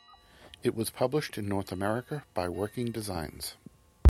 It was published in North America by Working Designs.